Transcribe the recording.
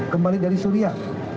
kembali dari suria